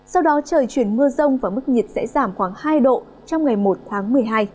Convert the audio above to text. sau đó trời chuyển mưa rông và mức nhiệt sẽ giảm khoảng hai độ trong ngày một tháng một mươi hai